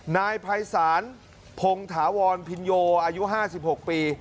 นายภัยศาลพงธาวรพินโยอายุห้าสิบหกปี